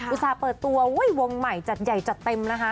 อุตส่าห์เปิดตัวไว้วงใหม่จัดใหญ่จัดเต็มนะคะ